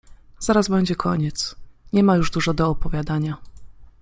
Zaraz będzie koniec… nie ma już dużo do opowiadania.